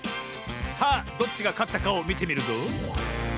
さあどっちがかったかをみてみるぞ。